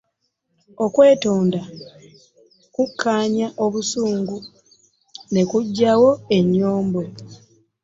Okwetonda kukannya obusungu nekujjawo n'ennyombo.